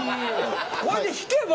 これで引けば。